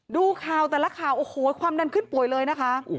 ดูข่าวแต่ละข่าวโอ้โหความดันขึ้นป่วยเลยนะคะ